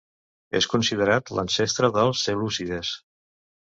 És considerat l'ancestre dels selèucides.